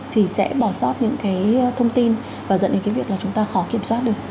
thì sẽ bỏ sót những cái thông tin và dẫn đến cái việc là chúng ta khó kiểm soát được